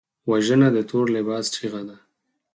وژنه د تور لباس چیغه ده